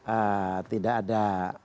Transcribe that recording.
ee tidak ada